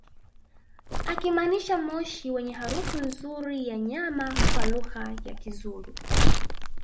akimaanisha moshi wenye harufu nzuri ya nyama kwa lugha ya kizulu